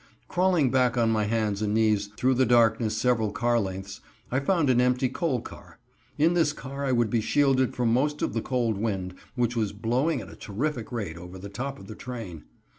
Crawling back on my hands and knees through the darkness several car lengths, I found an empty coal car. In this car I would be shielded from most of the cold wind, which was blowing at a terrific rate over the top of the train.